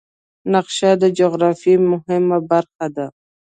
نقشه د جغرافیې مهمه برخه ده.